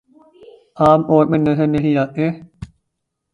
عام طور پر نظر نہیں آتے